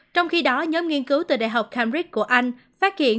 trong khi đó nhóm nghiên cứu từ đại học camrik của anh phát hiện